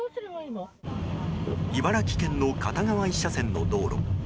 茨城県の片側１車線の道路。